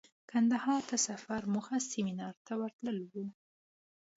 کندهار ته د سفر موخه سمینار ته ورتلو وه.